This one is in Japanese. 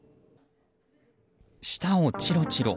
舌をチロチロ。